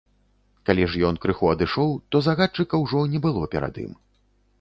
Калі ж ён крыху адышоў, то загадчыка ўжо не было перад ім.